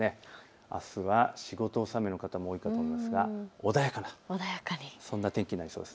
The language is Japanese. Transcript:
あすは仕事納めの方も多いと思いますが穏やかな天気になりそうです。